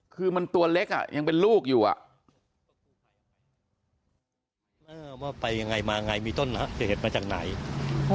เคยเรารู้ว่าไปไงมีต้นหนะเห็นมาจากไหน